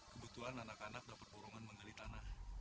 kebetulan anak anak dapat borongan menggali tanah